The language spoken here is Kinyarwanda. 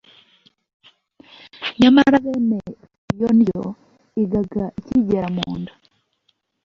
nyamara bene iyo ndyo igaga ikigera mu nda